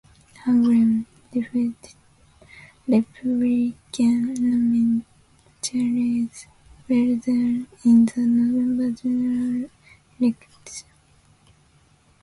Hamblen defeated Republican nominee Charles Wendler in the November general election.